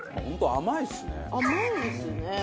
本当甘いですね。